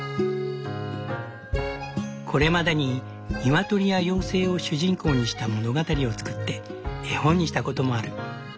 これまでに鶏や妖精を主人公にした物語を作って絵本にしたこともある。